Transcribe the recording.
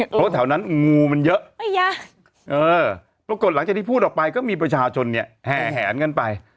เพราะแถวนั้นงูมันเยอะปรากฏหลังจากที่พูดออกไปก็มีประชาชนเนี่ยแหนกันไป